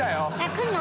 来んの？